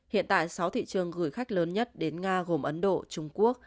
hiện tại sáu thị trường gửi khách lớn nhất đến nga gồm ấn độ trung quốc